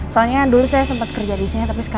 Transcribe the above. saat orang sama seperti alia